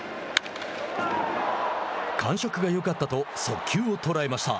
感触がよかったと速球を捉えました。